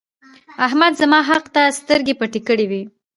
احمد زما حق ته سترګې پټې کړې وې.